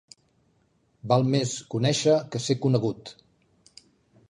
Val més conèixer que ser conegut.